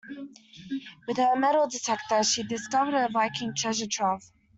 With her metal detector she discovered a Viking treasure trove.